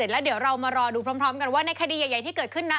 แล้วเดี๋ยวเรามารอดูพร้อมกันว่าในคดีใหญ่ที่เกิดขึ้นนะ